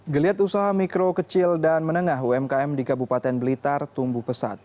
geliat usaha mikro kecil dan menengah umkm di kabupaten blitar tumbuh pesat